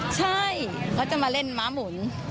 ใช่ก็จะมาเล่นม้ามุน